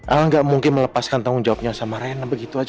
al nggak mungkin melepaskan tanggung jawabnya sama ren begitu saja